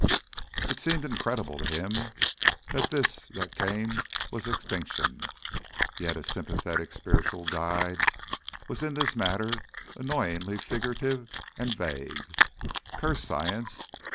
It seemed incredible to him that this that came was extinction. Yet his sympathetic spiritual guide was in this matter annoyingly figurative and vague. Curse science!